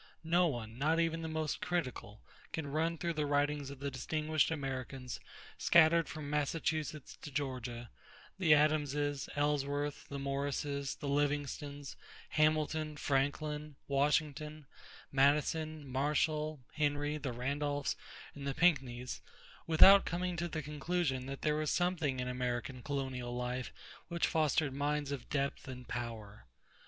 No one, not even the most critical, can run through the writings of distinguished Americans scattered from Massachusetts to Georgia the Adamses, Ellsworth, the Morrises, the Livingstons, Hamilton, Franklin, Washington, Madison, Marshall, Henry, the Randolphs, and the Pinckneys without coming to the conclusion that there was something in American colonial life which fostered minds of depth and power.